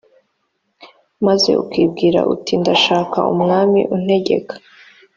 maze ukibwira uti ndashaka umwami untegeka